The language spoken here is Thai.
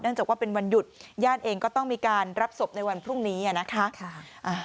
จากว่าเป็นวันหยุดญาติเองก็ต้องมีการรับศพในวันพรุ่งนี้นะคะ